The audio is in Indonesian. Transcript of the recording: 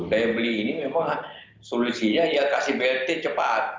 daya beli ini memang solusinya ya kasih blt cepat